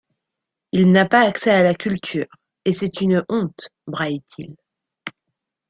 Il n'a pas accès à la culture, et c'est une honte, braille-t-il.